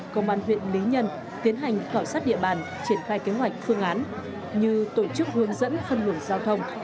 công an huyện lý nhân tiến hành khảo sát địa bàn triển khai kế hoạch phương án như tổ chức hướng dẫn phân luận giao thông